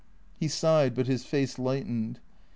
He sighed, but his face lightened.